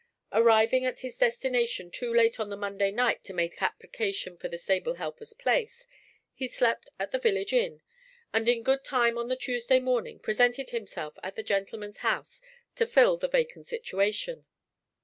Arriving at his destination too late on the Monday night to make application for the stablehelper's place, he slept at the village inn, and in good time on the Tuesday morning presented himself at the gentleman's house to fill the vacant situation.